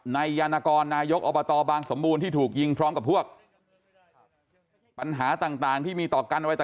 ยานกรนายกอบตบางสมบูรณ์ที่ถูกยิงพร้อมกับพวกปัญหาต่างที่มีต่อกันอะไรต่อ